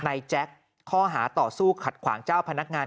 แจ็คข้อหาต่อสู้ขัดขวางเจ้าพนักงาน